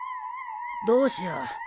どうしよう。